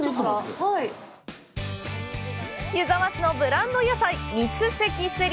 湯沢市のブランド野菜、「三関セリ」。